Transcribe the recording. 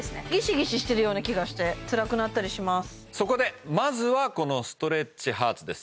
そこでまずはこのストレッチハーツです